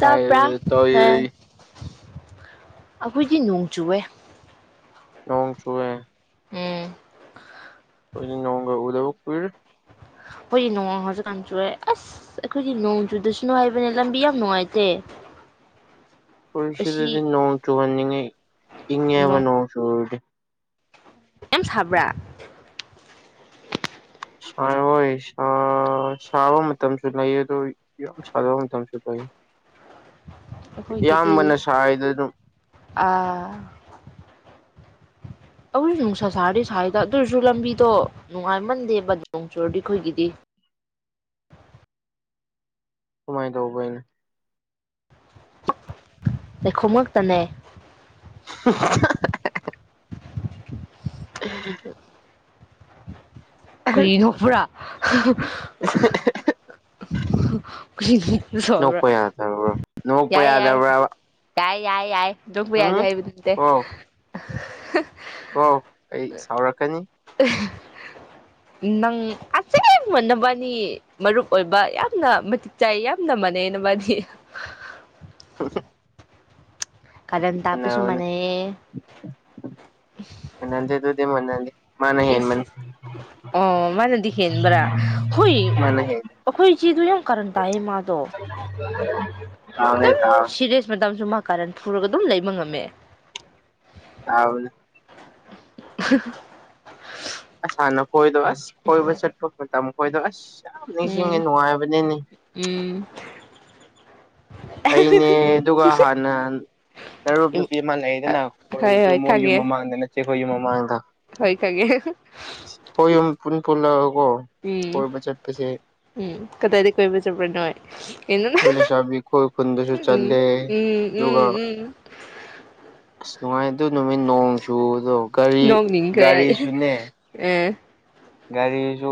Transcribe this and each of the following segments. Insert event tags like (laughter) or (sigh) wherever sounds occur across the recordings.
ꯇꯄ꯭ꯔꯥ ꯍꯦ ꯇꯥꯏꯌꯦ ꯑꯈꯣꯏꯗꯤ ꯅꯣꯡ ꯆꯨꯋ‌ꯦ ꯅꯣꯡ ꯆꯨꯋ‌ꯦ ꯎꯝ ꯈ‌ꯣꯏꯗꯤ ꯅꯣꯡꯒ ꯎꯗꯕ ꯀꯨꯏꯔꯦ ꯍꯣꯏꯗꯤ ꯅꯣꯡ ꯍꯧꯖꯤꯛ ꯀꯥꯟ ꯆꯨꯋ‌ꯦ ꯑꯁ ꯑꯩꯈꯣꯏꯗꯤ ꯅꯣꯡ ꯆꯨꯗꯁꯅꯨ ꯍꯥꯏꯕꯅꯦ ꯂꯝꯕꯤ ꯌꯥꯝ ꯅꯨꯡꯉꯥꯏꯇꯦ ꯈꯣꯏ ꯑꯁꯤ ꯁꯤꯗꯗꯤ ꯅꯣꯡ ꯆꯨꯍꯟꯅꯤꯡꯉꯤ ꯏꯪꯉꯦꯕ ꯅꯣꯡ ꯆꯨꯔꯗꯤ ꯌꯥꯝ ꯁꯕ꯭ꯔꯥ ꯁꯥꯏ ꯍ‌ꯣꯏ ꯁꯥ ꯁꯥꯕ ꯃꯇꯝꯁꯨ ꯂꯩ ꯑꯗꯣ ꯌꯥꯝ ꯁꯥꯗꯕ ꯃꯇꯝꯁꯨ ꯂꯩ ꯑꯩꯈꯣꯏꯒꯤꯗꯤ ꯏꯌꯥꯝꯕꯅ ꯁꯥꯏꯗ ꯗꯨꯝ ꯑꯥ ꯑꯈ‌ꯣꯏꯖꯨ ꯅꯨꯡꯁꯥ ꯁꯥꯔꯗꯤ ꯁꯥꯏꯗ ꯑꯗꯨ ꯑꯣꯏꯔꯖꯨ ꯂꯝꯕꯤꯗꯣ ꯅꯨꯡꯉꯥꯏꯃꯟꯗꯦꯕ ꯅꯣꯡ ꯆꯨꯔꯗꯤ ꯈꯣꯏꯒꯤꯗꯤ ꯀꯃꯥꯏ ꯗꯧꯕ ꯕꯩꯅ‌ꯣ ꯂꯩꯈꯣꯝ ꯉꯛꯇꯅꯦ (unintelligible) (unintelligible) ꯀꯔꯤ ꯅꯣꯛꯄꯔꯥ (unintelligible) ꯀꯔꯤꯒꯤ ꯅꯣꯛꯄ ꯌꯥꯗꯕ꯭ꯔꯣ (unintelligible) ꯅꯣꯛꯄ ꯌꯥꯏ ꯌꯥꯏ ꯌꯥꯗꯕ꯭ꯔꯕ ꯇꯥꯏ ꯌꯥꯏ ꯌꯥꯏ ꯗꯨ ꯄꯨꯌꯥꯏꯗ ꯎꯝ ꯍꯥꯕꯗꯨ ꯅꯠꯇ‌ꯦ ꯀꯣ ꯀꯣ ꯑꯩ ꯁꯥꯎꯔꯛꯀꯅꯤ (unintelligible) ꯅꯪ ꯑꯁꯤ (unintelligible) ꯕ ꯅꯕꯥꯟꯅꯤ ꯃꯔꯨꯞ ꯑꯣꯏꯕ ꯌꯥꯝꯅ ꯃꯇꯤꯛ ꯆꯥꯏ ꯌꯥꯝꯅ ꯃꯥꯟꯅꯩꯩꯌꯦ ꯅꯕꯥꯅꯤ (unintelligible) ꯀꯥꯔꯟꯇꯕꯁꯨ ꯃꯥꯅꯩꯌꯦ ꯃꯥꯟꯗꯦ ꯑꯗꯨꯗꯤ ꯃꯥꯟꯗꯦ ꯃꯥꯅ ꯏꯁ ꯍꯦꯟꯕꯅꯤ ꯑꯣ ꯃꯅꯥꯗꯤ ꯍꯦꯟꯕꯔꯥ ꯍꯣꯏ ꯃꯥꯅ ꯍꯦꯟ ꯑꯩꯈꯣꯏ ꯏꯆꯦꯗꯨ ꯌꯥꯝ ꯀꯥꯔꯟ ꯇꯥꯏꯌꯦ ꯃꯥꯗꯣ (unintelligible) ꯑꯗꯨꯝ ꯇꯥꯕ ꯁꯤꯔꯤꯌꯦꯁ ꯃꯇꯝꯁꯨ ꯃꯥ ꯀꯥꯔꯟ ꯐꯨꯔꯒ ꯑꯗꯨꯝ ꯂꯩꯕ ꯉꯝꯃꯦ (unintelligible) (unintelligible) ꯑꯁꯥꯟꯅꯈꯣꯏꯗꯣ ꯑꯁ ꯀꯣꯏꯕ ꯆꯠꯄ ꯃꯇꯝ ꯈꯣꯏꯗꯣ ꯑꯁ ꯌꯥꯝ ꯅꯤꯡꯁꯤꯡꯉꯦ ꯎꯝ ꯅꯨꯡꯉꯥꯏꯕꯅꯤꯅꯤ ꯎꯝ ꯑꯩꯅꯦ ꯑꯗꯨꯒ ꯍꯥꯟꯅ ꯑꯔꯨꯞ ꯎꯝ ꯅꯨꯄꯤ ꯑꯃ ꯂꯩꯗꯅ ꯑ ꯍꯣꯏ ꯑꯩꯈꯣꯏꯗꯨ ꯍꯣꯏ ꯃꯣꯏ ꯌꯨꯝ ꯈꯪꯉꯦ ꯃꯃꯥꯡꯗ ꯅꯠꯇꯦ ꯑꯩꯈꯣꯏ ꯌꯨꯝ ꯃꯃꯥꯡꯗ ꯍꯣꯏ ꯈꯪꯉꯦ ꯈꯣꯏꯌꯨꯝ ꯄꯨꯟ ꯄꯨꯜꯂ ꯀꯣ ꯎꯝ ꯎꯝ ꯀꯗꯥꯏꯗꯒꯤ ꯀꯣꯏꯕ ꯆꯠꯄ꯭ꯔꯥ ꯅꯣꯏ ꯀꯩꯅꯣ ꯈꯣꯏ ꯂꯩꯁꯥꯕꯤ ꯈꯣꯏ ꯈꯨꯟꯗꯁꯨ ꯎꯝ ꯆꯠꯂꯦ ꯎꯝ ꯑꯗꯨꯒ ꯎꯝ ꯎꯝ ꯑꯁ ꯅꯨꯡꯉꯥꯏꯗꯨ ꯅꯨꯃꯤꯠ ꯅꯣꯡ ꯆꯨꯕꯗꯨ ꯒꯥꯔꯤ ꯒꯥꯔꯤꯁꯨꯅꯦ ꯑꯦ ꯒꯥꯔꯤꯁꯨ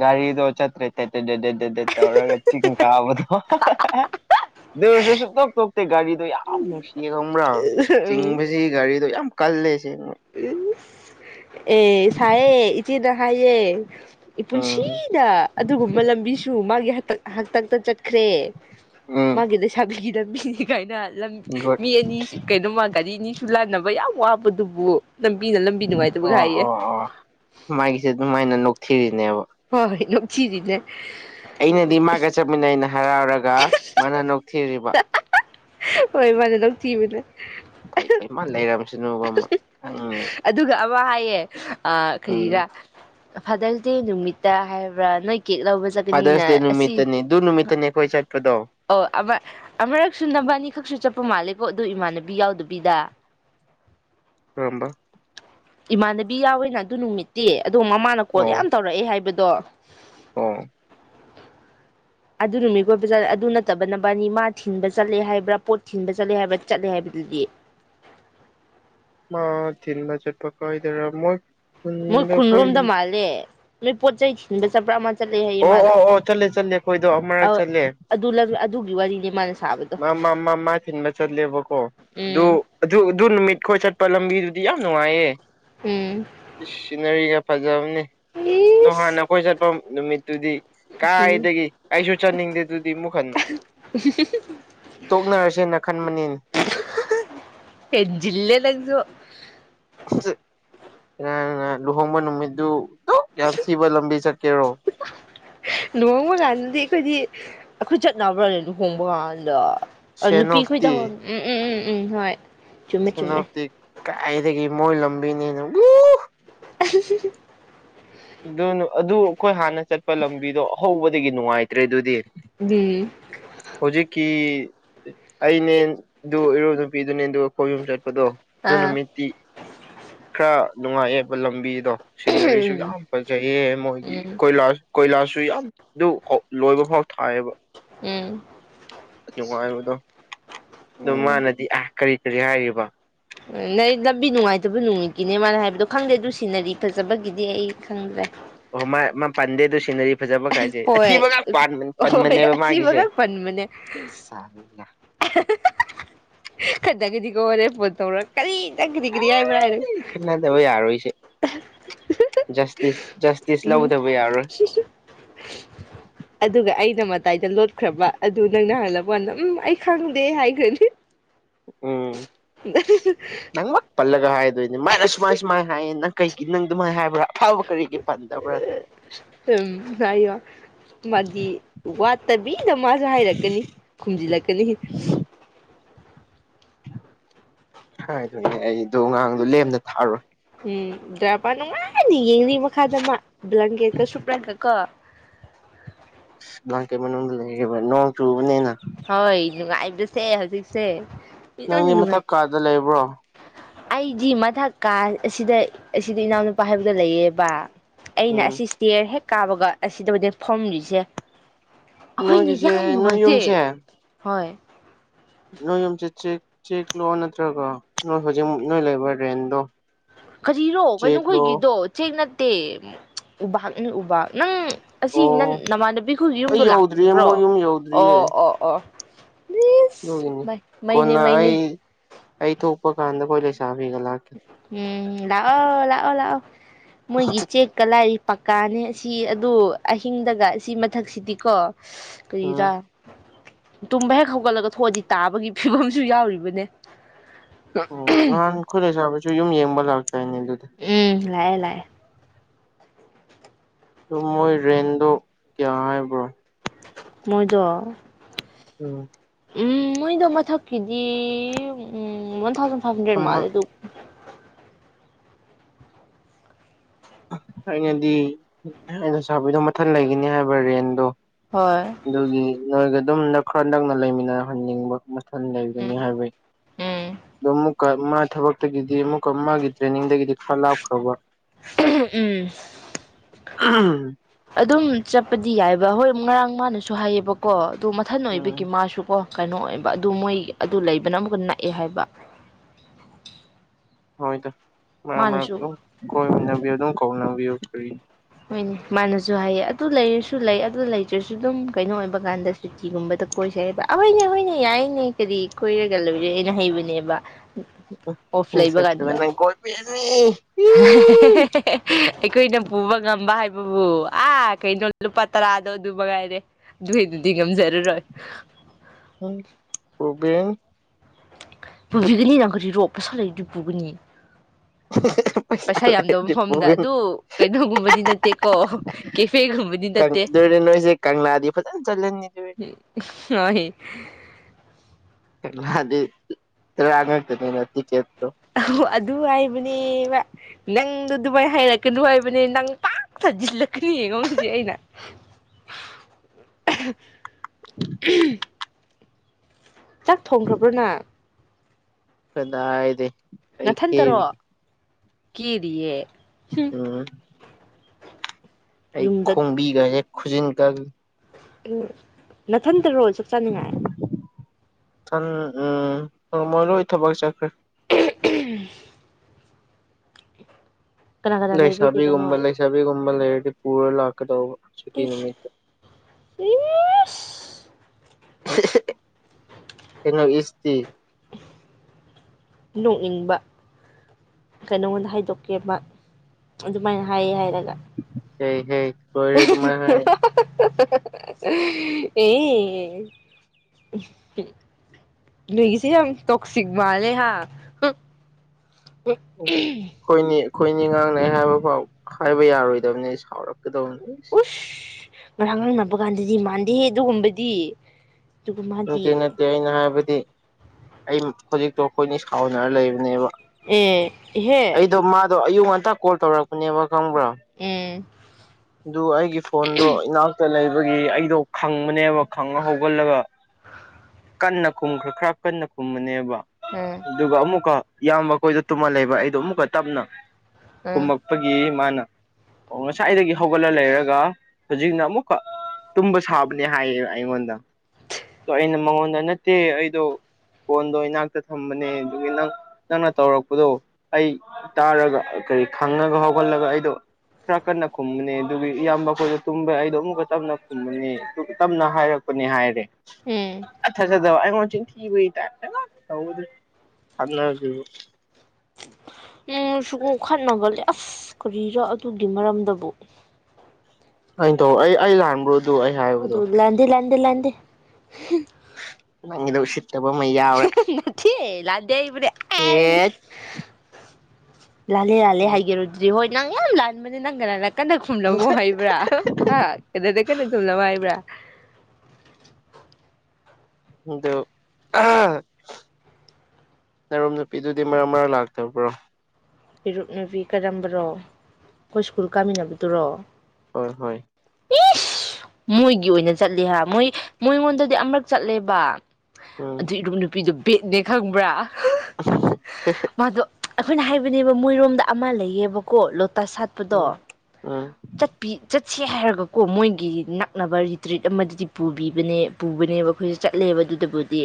ꯒꯥꯔꯤ ꯑꯗꯣ ꯆꯠꯇꯦ ꯗꯦ ꯗꯦ ꯗꯦ ꯇꯧꯔꯒ ꯆꯤꯡ ꯀꯥꯕꯗꯣ ꯑꯗꯨ ꯑꯣꯏꯔꯁꯨ ꯁꯨꯡꯇꯣꯛꯇꯦ ꯒꯥꯔꯤꯗꯣ ꯌꯥꯝ ꯅꯨꯡꯁꯤ ꯌꯦꯡꯉꯪꯕ꯭ꯔꯥ ꯎꯝ ꯆꯤꯡꯕꯁꯤ ꯒꯥꯔꯤꯗꯣ ꯌꯥꯝ ꯀꯜꯂꯦ ꯁꯦꯡ ꯏꯁ ꯑꯦ ꯁꯥꯏꯌꯦ ꯏꯆꯦꯗ ꯍꯥꯏꯌꯦ ꯎꯝ ꯏꯄꯨꯟꯁꯤꯅ ꯑꯗꯨꯒꯨꯝꯕ ꯂꯝꯕꯤꯁꯨ ꯃꯥꯒꯤ ꯍꯥꯡꯇꯪ ꯍꯥꯡꯇꯪꯇ ꯆꯠꯈ꯭ꯔꯦ ꯎꯝ ꯃꯥꯒꯤ ꯂꯩꯁꯥꯕꯤꯗ ꯄꯤꯔꯤꯅꯤ ꯒꯥꯏꯗ ꯂꯝ ꯒꯨꯗ ꯃꯤ ꯑꯅꯤ ꯀꯩꯅꯣ ꯃꯥ ꯒꯥꯔꯤ ꯑꯅꯤ ꯂꯛꯅꯕ ꯌꯥꯝ ꯋꯥꯕꯗꯨꯕꯨ ꯂꯝꯕꯤꯅ ꯂꯝꯕꯤ ꯅꯨꯡꯉꯥꯏꯇꯕꯒ ꯑꯣ ꯍꯥꯏꯌꯦ ꯑꯣ ꯑꯣ ꯃꯥꯒꯤꯁꯦ ꯑꯗꯨꯃꯥꯏꯅ ꯅꯣꯛꯊꯤꯔꯤꯅꯦꯕ ꯍꯣꯏ ꯅꯣꯛꯊꯤꯔꯤꯅꯦ ꯑꯩꯅꯗꯤ ꯃꯥꯒ ꯆꯠꯃꯤꯟꯅꯩꯅ ꯍꯔꯥꯎꯔꯒ ꯃꯥꯅ ꯅꯣꯛꯊꯤꯔꯤꯕ ꯍꯣꯏ ꯃꯥꯅ ꯅꯣꯛꯊꯤꯕꯅꯦ ꯐꯩ ꯐꯩ ꯃꯥ ꯂꯩꯔꯝꯁꯅꯨꯕ ꯃꯥ ꯈꯪꯅꯤ ꯑꯗꯨꯒ ꯑꯃꯥ ꯍꯥꯏꯌꯦ ꯑꯥ ꯀꯔꯤꯔ ꯎꯝ ꯑꯐꯥꯗ꯭ꯔꯁ ꯗꯦ ꯅꯨꯃꯤꯠꯇꯥ ꯍꯥꯏꯕ꯭ꯔꯥ ꯅꯣꯏ ꯀꯦꯛ ꯂꯧꯕ ꯐꯥꯗꯔꯁ ꯗꯦ ꯆꯠꯀꯅꯤꯅ ꯑꯁꯤ ꯅꯨꯃꯤꯠꯇꯅꯦ ꯗꯨ ꯅꯨꯃꯤꯠꯇꯅꯦ ꯑꯩꯈꯣꯏ ꯆꯠꯄꯗꯣ ꯑꯣ ꯑꯃ ꯑꯃꯥꯔꯛꯁꯨ ꯅꯕꯥꯅꯤꯈꯛꯁꯨ ꯆꯠꯄ ꯃꯥꯜꯂꯦꯀꯣ ꯑꯗꯨ ꯏꯃꯥꯟꯅꯕꯤ ꯌꯥꯎꯗꯕꯤꯗ ꯈꯨꯔꯨꯝꯕ ꯏꯃꯥꯟꯅꯕꯤ ꯌꯥꯎꯋꯦꯅ ꯑꯗꯨ ꯅꯨꯃꯤꯠꯇꯤ ꯑꯗꯣ ꯃꯃꯥꯅ ꯀꯣꯜ ꯑꯣ ꯌꯥꯝ ꯇꯧꯔꯛꯑꯦ ꯍꯥꯏꯕꯗꯣ ꯑꯣ (inaudible) ꯑꯗꯨ ꯅꯨꯃꯤꯠ ꯀꯣꯏꯕꯖꯥꯂꯥ ꯑꯗꯨ ꯅꯠꯇꯕ ꯅꯕꯥꯅꯤ ꯃꯥ ꯊꯤꯟꯕ ꯆꯠꯂꯦ ꯍꯥꯏꯕ꯭ꯔꯥ ꯄꯣꯠ ꯊꯤꯟꯕ ꯆꯠꯂꯦ ꯍꯥꯏꯕ꯭ꯔꯥ ꯆꯠꯂꯦ ꯍꯥꯏꯕꯗꯨꯗꯤ ꯃꯥ ꯊꯤꯟꯕ ꯆꯠꯄ ꯀꯥꯏꯗꯔ ꯃꯣꯏ ꯃꯣꯏ ꯈꯨꯟꯗ ꯈꯨꯟꯔꯣꯝꯗ ꯑꯩꯈꯣꯏ ꯃꯥꯜꯂꯦ ꯅꯣꯏ ꯄꯣꯠꯆꯩ ꯊꯤꯟꯕ ꯆꯠꯄ꯭ꯔꯥ ꯃꯥ ꯑꯣ ꯑꯣ ꯑꯣ ꯆꯠꯂꯦ ꯆꯠꯂꯦ ꯑꯩꯈꯣꯏꯗꯣ ꯑꯃꯥꯔꯛ ꯑ ꯆꯠꯂꯦ ꯑꯗꯨ ꯂꯞ ꯑꯗꯨꯒꯤ ꯋꯥꯔꯤꯅꯤ ꯃꯥꯅ ꯁꯥꯕꯗꯣ ꯃꯥ ꯃꯥ ꯃꯥ ꯃꯥ ꯊꯤꯟꯕ ꯆꯠꯂꯦꯕꯀꯣ ꯗꯨ ꯎꯝ ꯑꯗꯨ ꯑꯗꯨ ꯅꯨꯃꯤꯠ ꯈꯣꯏ ꯆꯠꯄ ꯂꯝꯕꯤꯗꯨꯗꯤ ꯌꯥꯝ ꯅꯨꯡꯉꯥꯏꯌꯦ ꯎꯝ ꯁꯤꯅꯔꯤꯒ ꯐꯖꯕꯅꯦ ꯗꯣ ꯏꯁ ꯍꯥꯟꯅ ꯑꯩꯈꯣꯏ ꯆꯠꯄ ꯅꯨꯃꯤꯠꯇꯨꯗꯤ ꯎꯝ ꯀꯥꯏꯗꯒꯤ ꯑꯩꯁꯨ ꯆꯠꯅꯤꯡꯗꯦ ꯑꯗꯨꯗꯤ ꯑꯃꯨꯛ ꯍꯟꯅ (unintelligible) ꯇꯣꯛꯅꯔꯁꯦꯅ ꯈꯟꯕꯅꯤꯅꯦ ꯍꯦꯟꯖꯤꯜꯂꯦ ꯅꯪꯁꯨ ꯅꯥꯅ ꯂꯨꯍꯣꯡꯕ ꯅꯨꯃꯤꯠꯇꯨ ꯗꯨꯛꯌꯥꯝ ꯊꯤꯕ ꯂꯝꯕꯤ ꯆꯠꯀꯦꯔꯣ ꯂꯨꯍꯣꯡꯕ ꯀꯥꯟꯗꯗꯤ ꯑꯩꯈꯣꯏꯗꯤ ꯑꯩꯈꯣꯏ ꯆꯠꯅꯕ꯭ꯔꯣꯅꯦ ꯂꯨꯍꯣꯡꯕ ꯒꯥꯟꯗꯥ ꯑꯥ ꯁꯦꯟ ꯅꯨꯄꯤ ꯈꯣꯏꯗꯣ ꯎꯝ ꯑꯣꯐꯇꯤ ꯎꯝ ꯎꯝ ꯎꯝ ꯍꯣꯏ ꯆꯨꯝꯃꯦ ꯆꯨꯝꯃꯦ ꯁꯦꯅꯥꯞꯇꯤ ꯀꯥꯏꯗꯒꯤ ꯃꯣꯏ ꯂꯝꯕꯤꯅꯤꯅ ꯎꯨꯠ (unintelligible) ꯑꯗꯨ ꯑꯗꯨ ꯑꯩꯈꯣꯏ ꯍꯥꯟꯅ ꯆꯠꯄ ꯂꯝꯕꯤꯗꯣ ꯑꯍꯧꯕꯗꯒꯤ ꯅꯨꯡꯉꯥꯏꯇ꯭ꯔꯦ ꯑꯗꯨꯗꯤ ꯕꯤ ꯍꯧꯖꯤꯛꯀꯤ ꯑꯩꯅꯦꯟ ꯗꯨ ꯏꯔꯣꯅꯨꯄꯤ ꯑꯗꯨꯅꯦ ꯑꯗꯨ ꯈꯣꯏ ꯑꯍꯨꯝ ꯆꯠꯄꯗꯣ ꯑꯗꯨ ꯑꯥ ꯅꯨꯃꯤꯠꯇꯤ ꯈꯔ ꯅꯨꯡꯉꯥꯏꯑꯦꯕ ꯂꯝꯕꯤꯗꯣ ꯁꯤꯅꯔꯤꯁꯨ ꯎꯝ ꯌꯥꯝ ꯐꯖꯩꯌꯦ ꯃꯣꯏꯒꯤ ꯀꯣꯏ ꯀꯣꯏꯂꯥꯁ ꯀꯣꯏꯂꯥꯁꯁꯨ ꯌꯥꯝ ꯗꯨ ꯈꯣ ꯂꯣꯏꯕ ꯐꯥꯎ ꯊꯥꯏꯌꯦꯕ ꯎꯝ ꯑꯗꯨꯉꯥꯏꯕꯗꯣ ꯑꯗꯨ ꯃꯥꯅꯗꯤ ꯑꯥ ꯀꯔꯤ ꯀꯔꯤ ꯍꯥꯏꯔꯤꯕ ꯅꯣꯏ ꯂꯝꯕꯤ ꯅꯨꯡꯉꯥꯏꯇꯕ ꯅꯨꯃꯤꯠꯀꯤꯅꯦ ꯃꯥꯅ ꯍꯥꯏꯕꯗꯣ ꯈꯪꯗꯦ ꯑꯗꯨ ꯁꯤꯟꯅꯔꯤ ꯐꯖꯕꯒꯤꯗꯤ ꯑꯩ ꯈꯪꯗ꯭ꯔꯦ ꯑꯣ ꯃꯥ ꯃꯥ ꯄꯟꯗꯦ ꯗꯨ ꯁꯤꯅꯔꯤ ꯐꯖꯕ ꯀꯥꯏꯁꯦ ꯍꯣꯏ ꯑꯊꯤꯕ ꯉꯥꯛ ꯄꯥꯟꯕ ꯍꯣꯏ ꯄꯟꯕꯅꯦꯕ ꯃꯥꯒꯤꯁꯦ ꯑꯊꯤꯕꯒ ꯄꯟꯕꯅꯦ ꯁꯜꯂꯥ (unintelligible) ꯈꯠꯅꯒꯅꯤꯀꯣ ꯍꯣꯔꯦꯟ ꯐꯣꯟ ꯇꯧꯔ ꯀꯔꯤ ꯅꯪ ꯀꯔꯤ ꯀꯔꯤ ꯍꯥꯏꯕ꯭ꯔꯥ ꯍꯥꯏꯔ ꯊꯖꯕ ꯌꯥꯔꯔꯣꯏꯁꯤ ꯖꯁꯇꯤꯁ ꯖꯁꯇꯤꯁ ꯎꯝ ꯂꯧꯗꯕ ꯌꯥꯔꯣꯏ (inaudible) ꯑꯗꯨꯒ ꯑꯩꯅ ꯃꯇꯥꯏꯗ ꯂꯣꯠꯈ꯭ꯔꯕ ꯑꯗꯨ ꯅꯪꯅ ꯍꯜꯂꯛꯄꯥ ꯒꯥꯟꯗ ꯎꯝ ꯑꯩ ꯈꯪꯗꯦ ꯍꯥꯏꯈ꯭ꯔꯅꯤ ꯎꯝ (unintelligible) ꯅꯪꯃꯛ ꯄꯜꯂꯒ ꯍꯥꯏꯗꯣꯏꯅꯦ ꯃꯥꯅ ꯁꯨꯃꯥꯏ ꯁꯨꯃꯥꯏꯅ ꯍꯥꯏꯌꯦ ꯅꯪ ꯀꯩꯒꯤ ꯅꯪ ꯑꯗꯨꯃꯥꯏꯅ ꯍꯥꯏꯕ꯭ꯔꯥ ꯑꯐꯕ ꯀꯔꯤꯒꯤ ꯄꯟꯗꯕ꯭ꯔꯥꯅ (unintelligible) ꯃꯥꯗꯤ ꯋꯥꯠꯇꯕꯤꯗ ꯃꯥꯁꯨ ꯍꯥꯏꯔꯛꯀꯅꯤ ꯈꯨꯝꯖꯤꯜꯂꯛꯀꯅꯤ ꯍꯥꯏꯗꯣꯏꯅꯦ ꯑꯩꯗꯣ ꯉꯥꯡꯗꯣ ꯂꯦꯝꯅ ꯊꯥꯔꯣꯏ ꯎꯝ ꯗ꯭ꯔꯥꯏꯕꯔ ꯅꯨꯡꯉꯥꯏꯅꯤ ꯌꯦꯡꯅꯤ ꯃꯈꯥꯗ ꯃꯥ ꯕ꯭ꯂꯥꯡꯀꯦꯠꯀ ꯁꯨꯞꯔꯒ ꯀꯣ ꯕ꯭ꯂꯥꯡꯀꯦꯠ ꯃꯅꯨꯡꯗꯥ ꯂꯩꯔꯤꯕꯥ ꯅꯣꯡ ꯆꯨꯕꯅꯤꯅꯥ ꯍꯣꯏ ꯅꯨꯡꯉꯥꯏꯕꯁꯦ ꯍꯧꯖꯤꯛꯁꯦ ꯃꯤꯂꯣꯏꯅ ꯅꯪꯗꯤ ꯅꯨꯡꯉꯥꯏ ꯃꯊꯛ ꯀꯥꯗ ꯂꯩꯕ꯭ꯔꯣ ꯑꯩꯗꯤ ꯃꯊꯛꯀꯥ ꯑꯁꯤꯗ ꯑꯁꯤꯗ ꯏꯅꯥꯎꯅꯨꯄꯥ ꯍꯥꯏꯕꯗꯣ ꯂꯩꯌꯦꯕ ꯑꯩꯅ ꯎꯝ ꯑꯁꯤ ꯏꯁꯇꯦꯔ ꯍꯦꯛ ꯀꯥꯕꯒ ꯑꯁꯤꯗꯕꯨꯗꯤ ꯐꯝꯗꯣꯏꯁꯦ ꯑꯩꯈꯣꯏꯅꯤꯗꯤ ꯌꯥꯝ ꯅꯣꯏꯒꯤꯁꯦ ꯅꯣꯏ ꯅꯨꯡꯉꯥꯏꯇꯦ ꯌꯨꯝꯁꯦ ꯍꯣꯏ ꯅꯣꯏ ꯌꯨꯝ ꯖꯦ ꯆꯦꯛ ꯆꯦꯛꯂꯣ ꯅꯠꯇ꯭ꯔꯒ ꯅꯣꯏ ꯍꯧꯖꯤꯛ ꯅꯣꯏ ꯂꯩꯕꯥ ꯔꯦꯟꯗꯣ ꯀꯔꯤꯔꯣ ꯆꯦꯛꯂꯣ ꯀꯩꯅꯣꯈꯣꯏꯒꯤꯗꯣ ꯆꯦꯛ ꯅꯠꯇꯦ ꯎꯕꯥꯛꯅꯤ ꯎꯕꯥꯛ ꯅꯪ ꯑꯁꯤ ꯅꯟ ꯑꯣ ꯅꯃꯥꯟꯅꯕꯤꯈꯣꯢꯒꯤ ꯑꯩ ꯌꯨꯝꯗꯣ ꯌꯧꯗ꯭ꯔꯤꯌꯦ ꯂꯥꯛꯇ꯭ꯔꯤꯕ꯭ꯔꯣ ꯃꯣꯏ ꯌꯨꯝ ꯌꯧꯗ꯭ꯔꯤꯌꯦ ꯑꯣ ꯑꯣ ꯑꯣ ꯏꯁ ꯗꯨꯒꯤꯅꯤ ꯃꯩꯅꯦ ꯀꯣꯟꯅ ꯃꯩꯅꯦ ꯑꯩ ꯑꯩ ꯊꯣꯛꯄ ꯀꯥꯟꯗ ꯈꯣꯏ ꯂꯩꯁꯥꯕꯤꯒ ꯂꯥꯛ ꯎꯝ ꯂꯥꯑꯣ ꯂꯥꯑꯣ ꯂꯥꯑꯣ ꯃꯣꯏ ꯒꯤꯆꯦꯛ ꯀꯂꯥꯏ ꯄꯀꯥꯅꯦ ꯁꯤ ꯑꯗꯨ ꯑꯍꯤꯡꯗꯒ ꯑꯁꯤ ꯃꯊꯛꯁꯤꯗꯤꯀꯣ ꯎꯝ ꯀꯔꯤꯔꯥ ꯇꯨꯝꯕ ꯍꯦꯛ ꯍꯧꯒꯠꯂꯒ ꯊꯣꯛꯑꯗꯤ ꯇꯥꯕꯒꯤ ꯐꯤꯕꯝꯁꯨ ꯌꯥꯎꯔꯤꯕꯅꯦ ꯑꯍꯝ ꯈꯣꯢ ꯂꯩꯁꯥꯕꯤꯁꯨ ꯌꯨꯝ ꯌꯦꯡꯕ ꯂꯥꯛꯇꯥꯏꯅꯦ ꯑꯗꯨꯗꯤ ꯎꯝ ꯂꯥꯑꯦ ꯂꯥꯑꯦ ꯑꯗꯨ ꯃꯣꯏ ꯔꯦꯟꯗꯣ ꯀ꯭ꯌꯥ ꯍꯥꯏꯕ꯭ꯔꯣ ꯃꯣꯏꯗꯣ ꯎꯝ ꯎꯝ ꯃꯣꯏꯗꯣ ꯃꯊꯛꯀꯤꯗꯤ ꯎꯝ ꯃꯊꯛꯇ ꯊꯝꯗ꯭ꯕꯤ ꯑꯃ ꯃꯥꯜꯂꯦ ꯑꯗꯨ ꯑꯩꯅꯗꯤ ꯑꯩꯅ ꯁꯥꯕꯤꯗꯣ ꯃꯊꯟ ꯂꯩꯒꯅꯤ ꯍꯥꯏꯕ꯭ꯔ ꯔꯦꯟꯗꯣ ꯍꯣꯏ ꯑꯗꯨꯒꯤ ꯅꯣꯏꯒ ꯑꯗꯨꯝ ꯅꯛ ꯈꯔ ꯅꯛꯅ ꯂꯩꯃꯤꯟꯅꯍꯟꯅꯤꯡꯕ ꯃꯊꯟ ꯂꯩꯒꯅꯤ ꯎꯝ ꯍꯥꯏꯕꯩ ꯑꯗꯨꯨꯃꯨꯛ ꯀ ꯃꯥ ꯊꯕꯛꯇꯒꯤꯗꯤ ꯑꯃꯨꯛꯀ ꯃꯥꯒꯤ ꯇ꯭ꯔꯦꯅꯤꯡꯗꯒꯤꯗꯤ ꯈꯔ ꯂꯥꯞꯈ꯭ꯔꯕꯣ ꯎꯝ (unintelligible) ꯑꯗꯨꯝ ꯆꯠꯄꯗꯤ ꯌꯥꯏꯑꯦꯕ ꯍꯣꯏ ꯉꯔꯥꯡ ꯃꯥꯅꯁꯨ ꯍꯥꯏꯌꯦꯕ ꯀꯣ ꯑꯗꯨ ꯃꯊꯟ ꯑꯣꯏꯕꯒꯤ ꯃꯥꯁꯨ ꯀꯣ ꯀꯩꯅꯣ ꯑꯣꯏꯕ ꯑꯗꯨ ꯃꯣꯏ ꯑꯗꯨ ꯂꯩꯕꯅ ꯑꯃꯨꯛꯀ ꯅꯛꯑꯦ ꯍꯥꯏꯕ ꯍꯣꯏꯗ ꯃꯔꯛ ꯃꯔꯛ ꯃꯥꯅꯁꯨ ꯑꯗꯨꯝ ꯀꯣꯏꯃꯤꯟꯅꯕꯤꯌꯨ ꯑꯗꯨꯝ ꯀꯥꯎꯅꯕꯤꯌꯨ ꯀꯔꯤ ꯍꯣꯏꯅꯦ ꯃꯥꯅꯁꯨ ꯍꯥꯏꯌꯦ ꯑꯗꯨ ꯂꯩꯔꯁꯨ ꯂꯩ ꯑꯗꯨ ꯂꯩꯇ꯭ꯔꯁꯨ ꯑꯗꯨꯝ ꯀꯩꯅꯣ ꯑꯣꯏꯕ ꯀꯥꯟꯗ ꯁꯨꯇꯤꯒꯨꯝꯕꯗ ꯀꯣꯏꯁꯦ ꯍꯥꯏꯕ ꯑꯍꯣꯏꯅꯦ ꯍꯣꯏꯅꯦ ꯌꯥꯏꯅꯦ ꯀꯗꯤ ꯀꯣꯏꯔꯒ ꯂꯣꯏꯔꯦ ꯑꯩꯅ ꯍꯥꯏꯕꯅꯦꯕ (unintelligible) ꯑꯩꯈꯣꯏꯅ ꯄꯨꯕ ꯉꯝꯕ ꯍꯥꯏꯕꯕꯨ ꯑꯥ ꯀꯩꯅꯣ ꯂꯨꯄꯥ ꯇꯔꯥꯗꯣ ꯑꯗꯨ ꯃꯉꯥꯏꯔꯦ ꯗꯨꯏꯗꯨꯗꯤ ꯉꯝꯖꯔꯔꯣꯏ ꯄ꯭ꯔꯨꯕꯤꯡ ꯄꯨꯕꯤꯒꯅꯤꯅ ꯀꯔꯤꯔꯣ ꯄꯩꯁꯥ ꯂꯩꯔꯗꯤ ꯄꯨꯒꯅꯤ ꯄꯩꯁꯥ ꯌꯥꯝꯗꯕ ꯂꯩꯔꯗꯤ ꯃꯐꯝ ꯑꯃꯗ ꯄꯨꯒꯅꯤ ꯑꯗꯨ ꯀꯩꯅꯣꯒꯨꯝꯕꯗꯤ ꯅꯠꯇꯦꯀꯣ ꯀꯦꯐꯦꯒꯨꯝꯕꯗꯤ ꯀꯪ ꯅꯠꯇꯦ ꯗꯣꯏꯔ ꯅꯣꯏꯖꯦ ꯀꯪꯂꯥꯗꯤ ꯐꯖꯅ ꯆꯠꯍꯟꯅꯤ ꯑꯗꯨ ꯑꯣꯏꯔꯗꯤ ꯍꯣꯏ ꯀꯪꯂꯥꯗꯤ ꯇ꯭ꯔꯥ ꯉꯥꯛꯇꯅꯤꯅ ꯇꯤꯀꯦꯠꯇꯣ ꯑꯧ ꯑꯗꯨ ꯍꯥꯏꯕꯅꯦꯕ ꯅꯪꯗꯣ ꯑꯗꯨꯃꯥꯏ ꯍꯥꯏꯔꯛꯀꯅꯨ ꯍꯥꯏꯕꯅꯦ ꯅꯪ ꯄꯥꯛ ꯊꯥꯖꯤꯜꯂꯛꯀꯅꯤ ꯌꯦꯡꯉꯣ ꯍꯧꯖꯤꯛ ꯑꯩꯅ (unintelligible) ꯆꯥꯛ ꯊꯣꯡꯈ꯭ꯔꯕ꯭ꯔꯣ ꯅꯪ ꯀꯗꯥꯏꯗꯩ ꯑꯩ ꯅꯊꯟꯇꯔꯣ ꯀꯦꯔꯤ ꯀꯦꯔꯤꯌꯦ ꯎꯝ ꯑꯩ ꯌꯨꯝꯗ ꯈꯣꯡꯕꯤꯒꯁꯦ ꯈꯨꯖꯤꯟ ꯀꯛ ꯎꯝ ꯅꯥꯊꯟꯇꯔꯣ ꯆꯥꯛ ꯆꯥꯅꯤꯡꯉꯥꯏ ꯊꯟ ꯎꯝ ꯃꯣꯏ ꯂꯣꯏ ꯊꯥꯕꯛ ꯆꯠꯈ꯭ꯔꯦ (unintelligible) ꯀꯅꯥ ꯀꯅꯥ ꯂꯩꯕꯒꯤꯔ ꯂꯩꯁꯥꯕꯤꯒꯨꯝꯕ ꯅꯣꯏ ꯂꯩ ꯂꯩꯁꯥꯕꯤꯒꯨꯝꯕ ꯂꯩꯔꯗꯤ ꯄꯨꯔꯥ ꯂꯥꯛꯀꯗꯧꯕ ꯁꯨꯇꯤ ꯏꯁ ꯅꯨꯃꯤꯠꯇ ꯏꯁ ꯀꯩꯅꯣ ꯏꯁꯇꯤ ꯅꯣꯛꯅꯤꯡꯕ ꯀꯩꯅꯣꯗ ꯍꯥꯏꯗꯣꯛꯀꯦꯕ ꯑꯗꯨꯃꯥꯏꯅ ꯍꯥꯏꯌꯦ ꯍꯥꯏꯔꯒ ꯍꯦ ꯍꯦ ꯂꯣꯏꯔꯦ ꯑꯗꯨꯝꯃꯥꯏ ꯍꯥꯏ (unintelligible) ꯅꯣꯏꯒꯤꯁꯤ ꯌꯥꯝ ꯇꯣꯛꯁꯤꯛ ꯃꯜꯂꯦ ꯍꯥ (unintelligible) ꯑꯩꯈꯣꯏꯅꯤ ꯑꯩꯈꯣꯏꯅꯤ ꯉꯥꯡꯅꯩ ꯍꯥꯏꯕ ꯐꯥꯎ ꯍꯥꯏꯕ ꯌꯥꯔꯣꯏꯗꯕꯅꯤ ꯁꯥꯎꯔꯛꯀꯗꯕꯅꯤ ꯎꯁ (unintelligible) ꯀꯥꯟꯗꯗꯤ ꯃꯥꯟꯗꯦ ꯑꯗꯨꯒꯨꯝꯕꯗꯤ ꯑꯗꯨꯒ ꯃꯥꯗꯤ ꯅꯠꯇꯦ ꯅꯠꯇꯦ ꯑꯩꯅ ꯍꯥꯏꯕꯗꯤ ꯑꯩ ꯍꯧꯖꯤꯛꯇꯣ ꯑꯩꯈꯣꯏꯅꯤ ꯁꯥꯎꯅꯔ ꯂꯩꯕꯅꯦꯕ ꯑꯩꯗꯣ ꯃꯥ ꯑꯗꯣ ꯑꯌꯨꯛ ꯉꯟꯇꯥ ꯀꯣꯜ ꯇꯧꯔꯛꯄꯅꯦꯕ ꯈꯪꯕ꯭ꯔꯥ ꯎꯝ ꯑꯗꯨ ꯑꯩꯒꯤ ꯐꯣꯟꯗꯣ ꯏꯅꯥꯛꯇ ꯂꯩꯕꯒꯤ ꯑꯩꯗꯣ ꯈꯪꯕꯅꯦꯕ ꯈꯪꯉ ꯍꯧꯒꯠꯂꯒ ꯀꯟꯅ ꯈꯨꯝꯈ꯭ꯔꯦ ꯈꯔ ꯀꯟꯅ ꯈꯨꯝꯕꯅꯦꯕ ꯎꯝ ꯑꯗꯨꯒ ꯑꯃꯨꯛꯀ ꯏꯌꯥꯝꯕ ꯈꯣꯏꯗꯨ ꯇꯨꯝꯂꯕ ꯑꯩꯗꯣ ꯑꯃꯨꯛꯀ ꯇꯞꯅ ꯈꯨꯝꯃꯛ ꯄꯒꯤ ꯃꯥꯅ ꯑꯣ ꯉꯁꯥꯏꯗꯒꯤ ꯍꯧꯒꯠꯂ ꯂꯩꯔꯒ ꯍꯧꯖꯤꯛꯅ ꯑꯃꯨꯛꯀ ꯇꯨꯝꯕ ꯁꯥꯕꯅꯦ ꯍꯥꯏꯌꯦ ꯑꯩꯉꯣꯟꯗ ꯗꯣ ꯑꯩꯅ ꯃꯉꯣꯟꯗ ꯅꯠꯇꯦ ꯑꯩꯗꯣ ꯐꯣꯟꯗꯣ ꯏꯅꯥꯛꯇ ꯊꯝꯕꯅꯦ ꯑꯗꯨꯒꯤ ꯅꯪ ꯅꯪꯅ ꯇꯧꯔꯛꯄꯗꯣ ꯑꯩ ꯇꯥꯔꯒ ꯀꯔꯤ ꯈꯪꯉꯒ ꯍꯧꯒꯠꯂꯒ ꯑꯩꯗꯣ ꯈꯔ ꯀꯟꯅ ꯈꯨꯝꯃꯅꯦ ꯑꯗꯨꯒꯤ ꯏꯌꯥꯝꯕ ꯑꯩꯈꯣꯏꯗ ꯇꯨꯝꯕꯒꯤ ꯑꯩꯗꯣ ꯑꯃꯨꯛꯀ ꯇꯞꯅ ꯈꯨꯝꯃꯅꯤ ꯇꯞꯅ ꯍꯥꯏꯔꯛꯄꯅꯦ ꯍꯥꯏꯔꯦ (unintelligible) ꯗꯣ ꯑꯩꯉꯣꯟ ꯆꯤꯟꯊꯤꯕꯒꯤ ꯇꯦꯢꯞꯇ ꯑꯗꯨꯝ ꯇꯧꯕꯒꯤ ꯈꯥꯠꯅꯒꯤꯕ ꯎꯝ ꯁꯨꯒꯨꯝ ꯈꯠꯅꯕ ꯂꯩ ꯑꯁ ꯀꯔꯤꯔꯥ ꯑꯗꯨꯒꯤ ꯃꯔꯝꯗꯕꯨ ꯑꯩꯗꯣ ꯑꯩ ꯑꯩ ꯂꯥꯟꯕ꯭ꯔꯣꯗꯨ ꯑꯩ ꯑꯗꯨ ꯍꯥꯏꯕꯗꯣ ꯂꯥꯟꯗꯦ ꯂꯥꯟꯗꯦ ꯂꯥꯟꯗꯦ ꯅꯪꯒꯤꯗꯣ ꯎꯁꯤꯠꯇꯕ ꯑꯃꯌꯥꯎꯔꯦ ꯅꯠꯊꯦ ꯂꯥꯟꯗꯦ ꯍꯥꯏꯕꯅꯦ ꯑꯥꯏ ꯍꯦꯠ ꯂꯥꯜꯂꯦ ꯂꯥꯜꯂꯦ ꯑꯗꯨ ꯍꯥꯏꯒꯦꯔꯣ ꯑꯗꯨꯗꯤ ꯍꯣꯏ ꯅꯪ ꯌꯥꯝ ꯂꯥꯟꯕꯅꯦ ꯅꯪ ꯀꯅꯥꯅꯥ ꯀꯟꯅ ꯈꯨꯝꯂꯝꯃꯣ ꯍꯥꯏꯕ꯭ꯔꯥ ꯍꯥ ꯀꯅꯥꯅ ꯀꯟꯅ ꯈꯨꯝꯂꯣ ꯍꯥꯏꯕꯔꯥ ꯗꯣ (unintelligible) ꯅꯔꯨꯞ ꯅꯨꯄꯤꯗꯨꯗꯤ ꯃꯔꯛ ꯃꯔꯛ ꯂꯥꯛꯇꯕ꯭ꯔꯣ ꯄꯤꯔꯨꯛ ꯅꯨꯄꯤ ꯀꯔꯝꯕꯔꯣ ꯑꯩꯈꯣꯏ ꯁ꯭ꯀꯨꯜ ꯀꯥꯃꯤꯟꯅꯕꯗꯨꯔꯣ ꯍꯣꯏ ꯍꯣꯏ ꯏꯁ ꯃꯣꯏꯒꯤ ꯑꯣꯏꯅ ꯆꯠꯂꯤ ꯍꯥ ꯃꯣꯏ ꯃꯣꯏꯉꯣꯟꯗꯗꯤ ꯑꯃꯔꯛ ꯆꯠꯂꯦꯕ ꯎꯝ ꯑꯗꯨ ꯏꯔꯨꯞ ꯅꯨꯄꯤꯗꯨ ꯕꯦꯠꯅꯦ ꯈꯪꯕ꯭ꯔꯥ (unintelligible) ꯃꯥꯗꯣ ꯑꯩꯈꯣꯏꯅ ꯍꯥꯏꯕꯅꯦꯕ ꯃꯣꯏꯔꯣꯝꯗ ꯑꯃ ꯂꯩꯌꯦꯕꯀꯣ ꯂꯣꯇꯁ ꯁꯥꯠ ꯎꯝ ꯎꯝ ꯆꯠꯄꯤ ꯆꯠꯁꯦ ꯍꯥꯏꯔꯒꯀꯣ ꯃꯣꯏꯒꯤ ꯅꯛꯅꯕ ꯔꯤꯇ꯭ꯔꯤꯠ ꯑꯃꯗꯗꯤ ꯄꯨꯕꯤꯕꯅꯦ ꯄꯨꯕꯅꯦꯕ ꯑꯩꯈꯣꯏꯖꯨ ꯆꯠꯂꯦꯕ ꯑꯗꯨꯗꯕꯨꯗꯤ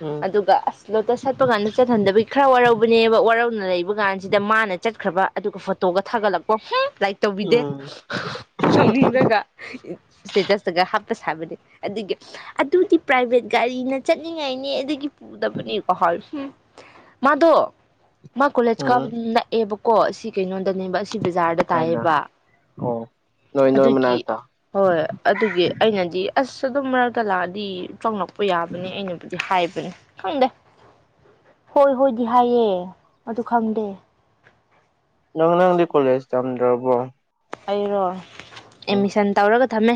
ꯎꯝ ꯑꯗꯨꯒ ꯑꯁ ꯂꯣꯇꯁ ꯁꯥꯠꯄ ꯀꯥꯟꯗ ꯆꯠꯍꯟꯗꯕꯤꯒꯤ ꯈꯔ ꯋꯥꯔꯧꯕꯅꯦꯕ ꯋꯥꯔꯧꯅ ꯂꯩꯕ ꯀꯥꯟꯁꯤꯗ ꯃꯥꯅ ꯆꯠꯈ꯭ꯔꯕ ꯑꯗꯨꯒ ꯐꯣꯇꯣꯒ ꯊꯥꯒꯠꯂꯛꯄ ꯍꯨꯡ ꯂꯥꯏꯛ ꯇꯧꯕꯤꯗꯦ ꯎꯝ ꯁꯥꯎꯅꯤꯡꯔꯒ ꯁ꯭ꯇꯦꯇꯁꯇꯒ ꯍꯥꯞꯄ ꯁꯥꯕꯅꯦ ꯑꯗꯨꯒ ꯑꯗꯨꯗꯤ ꯄ꯭ꯔꯥꯏꯚꯦꯠ ꯒꯥꯔꯤꯅ ꯆꯠꯅꯤꯡꯉꯥꯏꯅꯦ ꯑꯗꯨꯒꯤ ꯄꯨꯗꯕꯅꯦ ꯀꯍꯥꯏ ꯍꯨꯡ ꯃꯥꯗꯣ ꯃꯥ ꯀꯣꯂꯦꯖ ꯎꯝ ꯀꯥꯕꯗ ꯅꯛꯑꯦꯕꯀꯣ ꯑꯁꯤ ꯀꯩꯅꯣꯗꯅꯦꯕ ꯑꯁꯤ ꯕꯖꯥꯔꯗ ꯇꯥꯏꯌꯦ ꯀꯥꯏꯗ ꯕꯥ ꯑꯣ ꯅꯣꯏ ꯅꯣꯏ ꯑꯗꯨꯒꯤ ꯃꯅꯥꯛꯇ ꯍꯣꯏ ꯑꯗꯨꯒꯤ ꯑꯩꯅꯗꯤ ꯑꯁ ꯑꯗꯨꯝ ꯃꯔꯛꯇ ꯂꯥꯛꯑꯗꯤ ꯆꯪꯂꯛ ꯄꯨ ꯌꯥꯕꯅꯤ ꯑꯩꯅꯕꯨꯗꯤ ꯍꯥꯏꯕꯅꯤ ꯈꯪꯗꯦ ꯍꯣꯏ ꯍꯣꯏꯗꯤ ꯍꯥꯏꯌꯦ ꯑꯗꯨ ꯈꯪꯗꯦ ꯅꯪ ꯅꯪꯗꯤ ꯀꯣꯂꯦꯖ ꯇꯝꯗ꯭ꯔꯕꯣ ꯑꯩꯔꯣ ꯎꯝ ꯑꯦꯠꯃꯤꯁꯟ ꯇꯧꯔꯒ ꯊꯝꯃꯦ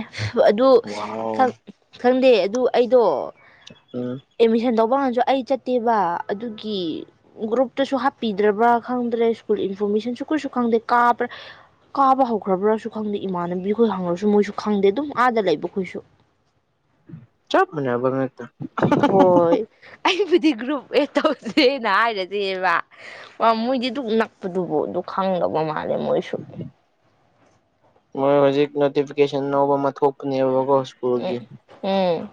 ꯑꯗꯨ ꯋꯥꯎ ꯈꯛ ꯈꯪꯗꯦ ꯑꯗꯨ ꯑꯩꯗꯣ ꯎꯝ ꯑꯦꯠꯃꯤꯁꯟ ꯇꯧꯕ ꯉꯥꯟꯁꯨ ꯑꯩ ꯆꯠꯇꯦꯕ ꯑꯗꯨꯒꯤ ꯒ꯭ꯔꯨꯞꯇꯁꯨ ꯍꯥꯞꯄꯤꯗ꯭ꯔꯕ꯭ꯔꯥ ꯈꯪꯗ꯭ꯔꯦ ꯁ꯭ꯀꯨꯜ ꯏꯟꯐꯣꯔꯃꯦꯁꯟꯁꯨ ꯀꯨꯔꯤꯁꯨ ꯈꯪꯗꯦ ꯀꯥꯕ꯭ꯔꯥ ꯀꯥꯕ ꯍꯧꯈ꯭ꯔꯕ꯭ꯔꯁꯨ ꯈꯪꯗꯦ ꯏꯃꯥꯟꯅꯕꯤꯍꯣꯏ ꯍꯪꯉꯨꯔꯁꯨ ꯃꯣꯏꯁꯨ ꯈꯪꯗꯦ ꯑꯗꯨꯝ ꯑꯥꯗ ꯂꯩꯕ ꯈꯣꯏꯁꯨ ꯆꯞ ꯃꯥꯟꯅꯕ ꯉꯥꯛꯇ ꯍꯣꯏ ꯑꯩꯕꯨꯗꯤ ꯒ꯭ꯔꯨꯞ ꯑꯦꯠ ꯇꯧꯗꯦ ꯍꯥꯏ (unintelligible) ꯃꯥ ꯃꯣꯏꯗꯤ ꯗꯨꯛ ꯅꯛꯄꯗꯨꯕꯨ ꯑꯗꯨ ꯈꯪꯗꯕ ꯃꯥꯜꯂꯦ ꯃꯣꯏꯁꯨ ꯃꯣꯏ ꯍꯧꯖꯤꯛ ꯅꯣꯇꯤꯐꯤꯀꯦꯁꯟ ꯑꯅꯧꯕ ꯑꯃ ꯊꯣꯛꯄꯅꯦꯕꯀꯣ ꯁ꯭ꯀꯨꯜꯒꯤ ꯎꯝ ꯎꯝ